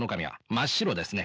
真っ白ですね。